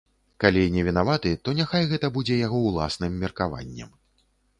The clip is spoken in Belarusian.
Калі не вінаваты, то няхай гэта будзе яго ўласным меркаваннем.